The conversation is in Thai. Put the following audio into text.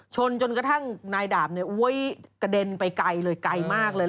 จนกระทั่งนายดาบเนี่ยกระเด็นไปไกลเลยไกลมากเลย